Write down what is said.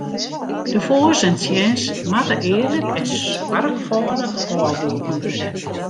De foars en tsjins moatte earlik en soarchfâldich ôfwoegen wurde.